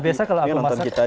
biasanya kalau aku masak